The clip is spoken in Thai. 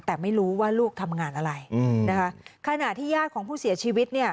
แต่ไม่รู้ว่าลูกทำงานอะไรขณะที่ญาติของผู้เสียชีวิต